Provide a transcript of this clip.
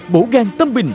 bổ gan tâm bình